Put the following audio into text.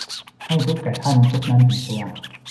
ให้ทุกข์แก่ท่าน ทุกข์นั้นถึงตัว